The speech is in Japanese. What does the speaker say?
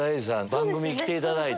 番組来ていただいて。